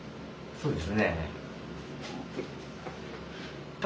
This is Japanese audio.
そうです。